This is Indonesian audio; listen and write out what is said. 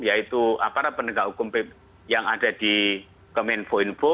yaitu aparat penegak hukum yang ada di kemenko info